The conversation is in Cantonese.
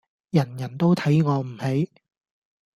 人人都睇我唔起